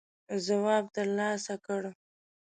ځواب تر لاسه کړ.